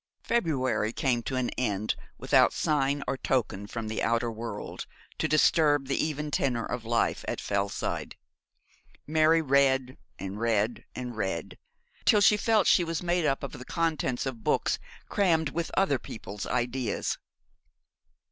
February came to an end without sign or token from the outer world to disturb the even tenor of life at Fellside. Mary read, and read, and read, till she felt she was made up of the contents of books, crammed with other people's ideas.